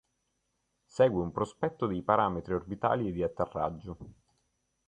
Segue un prospetto dei parametri orbitali e di atterraggio.